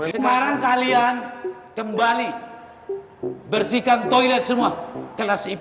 sekarang kalian kembali bersihkan toilet semua kelas ip